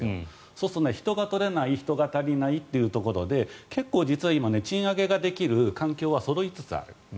そうすると人が取れない人が足りないというところで結構今、賃上げができる環境はそろいつつある。